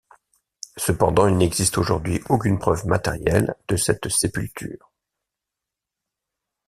Cependant, il n'existe aujourd'hui aucune preuve matérielle de cette sépulture.